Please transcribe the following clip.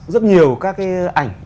rất nhiều các cái ảnh